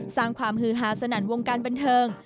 สร้างความฮือฮาสนั่นวงการบันเทิง